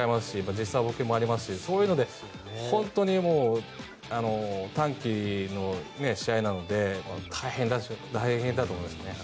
時差ぼけもありますしそういうので本当に短期の試合なので大変だと思いますね。